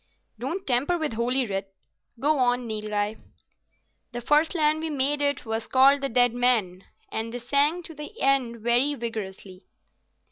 "Don't tamper with Holy Writ. Go on, Nilghai." "The first land we made it was called the Deadman," and they sang to the end very vigourously.